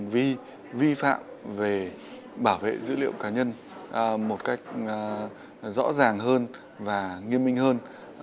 vì vi phạm về bảo vệ dữ liệu cá nhân một cách rõ ràng hơn và nghiêm minh hơn